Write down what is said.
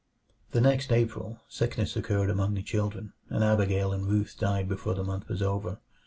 The next April, sickness occurred among the children, and Abigail and Ruth died before the month was over.